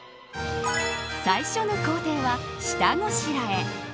最初の工程は下ごしらえ。